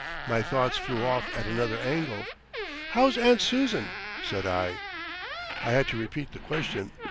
My thoughts flew off at another angle. "How's Aunt Susan?" said I. I had to repeat the question.